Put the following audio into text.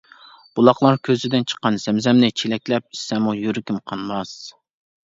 بۇلاقلار كۆزىدىن چىققان زەمزەمنى، چېلەكلەپ ئىچسەممۇ يۈرىكىم قانماس.